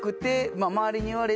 周りに。